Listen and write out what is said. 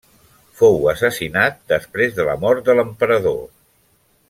Fou assassinat després de la mort de l'emperador.